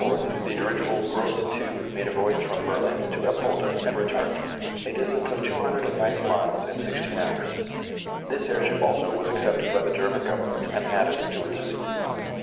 ] On August 4, the dirigible "Gross II" made a voyage from Berlin to Apolda, and returned; a distance of 290 miles in 16 hours. This airship also was accepted by the German Government and added to its fleet.